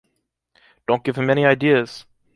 Don't give him any ideas!